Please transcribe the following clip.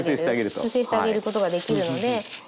修正してあげることができるので。